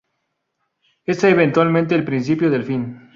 Es eventualmente el principio del fin.